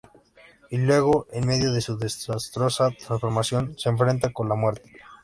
Y luego, en medio de su desastrosa transformación, se enfrenta con la muerte.